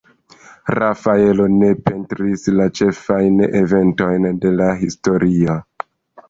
Rafaelo ne pentris la ĉefajn eventojn de la historio.